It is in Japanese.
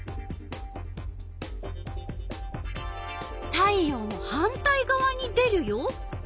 太陽の反対がわに出るよ。